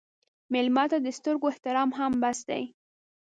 مېلمه ته د سترګو احترام هم بس دی.